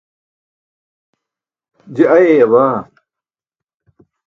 je ayaya baa